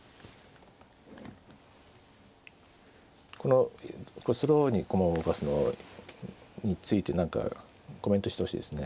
このスローに駒を動かすのについて何かコメントしてほしいですね。